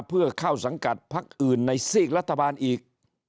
เพื่อเข้าสังกัดพักอื่นในซีกรัฐบาลอีก